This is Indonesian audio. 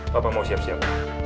papa mau siap siap